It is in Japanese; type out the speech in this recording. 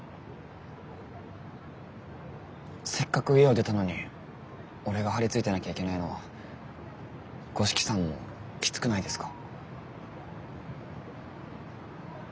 せっかく家を出たのに俺が張り付いてなきゃいけないのは五色さんもきつくないですか？